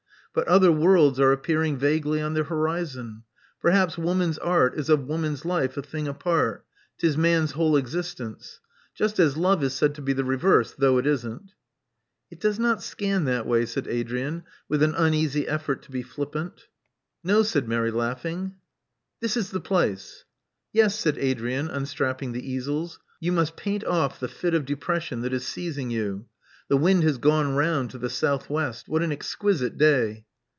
But other worlds are appearing vaguely on the horizon. Perhaps woman's art is of woman's life a thing apart, 'tis man's whole existence; just as love is said to be the reverse — though it isn't." It does not scan that way," said Adrian, with an uneasy effort to be flippant. Love Among the Artists 109 "No," said Mary, laughing. "This ig the place." "Yes," said Adrian, unstrapping the easels. "You must paint oflE the fit of depression that is seizing you. The wind has gone round to the south west. What an exquisite day!"